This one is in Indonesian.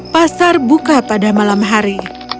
pasar buka pada malam hari